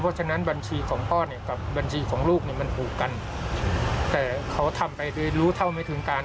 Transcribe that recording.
เพราะฉะนั้นบัญชีของพ่อเนี่ยกับบัญชีของลูกเนี่ยมันผูกกันแต่เขาทำไปโดยรู้เท่าไม่ถึงการ